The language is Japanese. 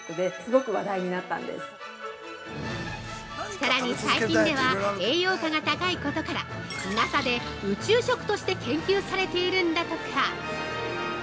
◆さらに最近では栄養価が高いことからＮＡＳＡで宇宙食として研究されているんだとか！